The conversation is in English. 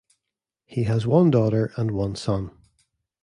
He has one daughter and one son.